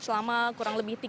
selama kurang lebih tiga hari